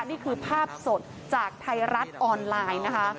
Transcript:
นี่คือภาพสดจากไทยรัฐออนไลน์นะคะ